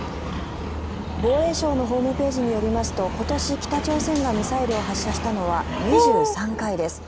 防衛省のホームページによりますと今年、北朝鮮がミサイルを発射したのは２３回です。